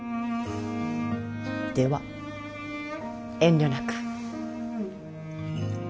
では遠慮なく。